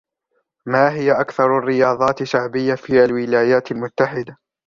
ما هي أكثر الرياضات شعبية في الولايات المتحدة ؟